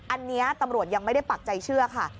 อันนี้ตำรวจยังไม่ได้ปักใจเชื่อค่ะ